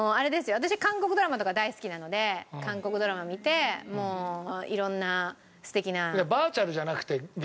私韓国ドラマとか大好きなので韓国ドラマ見てもう色んな素敵な。